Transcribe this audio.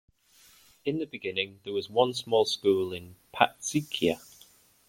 In the beginning, there was one small school in Patzicia.